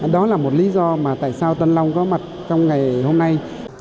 đó là một lý do tại sao tân long có mặt trong ngày